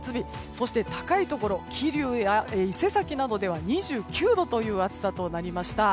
そして、高いところ桐生や、伊勢崎などでは２９度という暑さになりました。